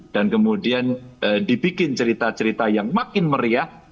dan kemudian dibikin cerita cerita yang makin meriah